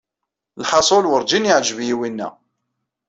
Lḥaṣul werjin yeɛjeb-iyi winna.